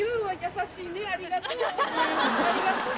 優しいねありがとう。